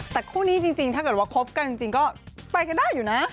แต่คู่นี้จริงถ้าเกิดว่าคบกันจริงก็ไปกันได้อยู่นะ